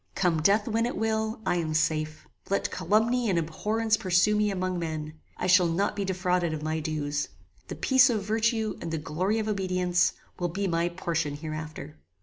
"Come death when it will, I am safe. Let calumny and abhorrence pursue me among men; I shall not be defrauded of my dues. The peace of virtue, and the glory of obedience, will be my portion hereafter."